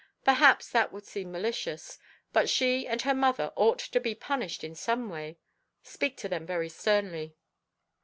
Perhaps that would seem malicious, but she and her mother ought to be punished in some way. Speak to them very sternly.